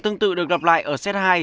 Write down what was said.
tương tự được gặp lại ở set hai